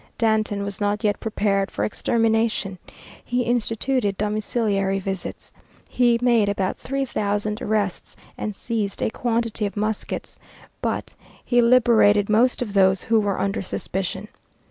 Danton was not yet prepared for extermination. He instituted domiciliary visits. He made about three thousand arrests and seized a quantity of muskets, but he liberated most of those who were under suspicion.